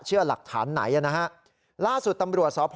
อืม